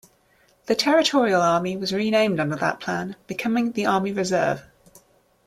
The Territorial Army was renamed under that plan, becoming the Army Reserve.